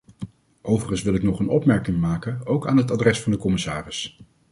Overigens wil ik nog een opmerking maken, ook aan het adres van de commissaris.